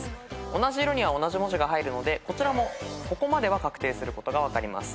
同じ色には同じ文字が入るのでこちらもここまでは確定することが分かります。